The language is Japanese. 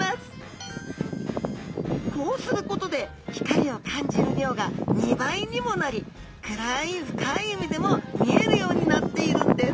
こうすることで光を感じる量が２倍にもなり暗い深い海でも見えるようになっているんです